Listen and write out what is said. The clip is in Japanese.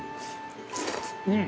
うん。